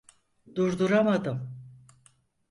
Durduramadım.